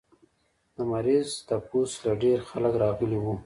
د مريض تپوس له ډېر خلق راغلي وو